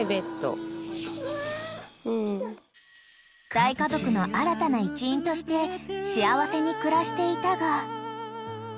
［大家族の新たな一員として幸せに暮らしていたが］